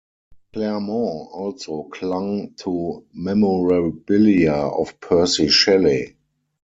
Clairmont also clung to memorabilia of Percy Shelley.